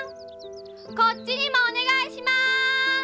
こっちにもお願いします！